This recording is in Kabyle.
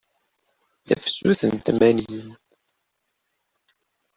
Tafsut n tmanyin.